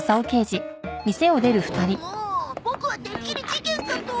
もうボクはてっきり事件かと。